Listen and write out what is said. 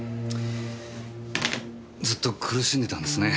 ずっと苦しんでたんですね。